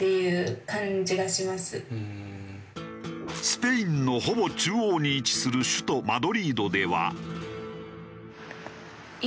スペインのほぼ中央に位置する首都マドリードでは。